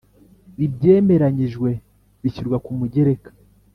Ibyemeranyijwe bishyirwa ku mugereka